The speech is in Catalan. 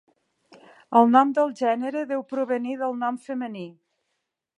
El nom del gènere deu provenir del nom femení.